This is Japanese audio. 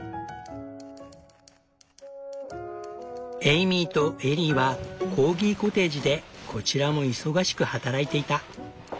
ＨｉＰａｄｄｙ．エイミーとエリーはコーギコテージでこちらも忙しく働いていた。